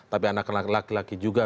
tapi anak anak laki laki juga